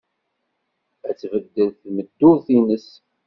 Ad tbeddel tmeddurt-nnes.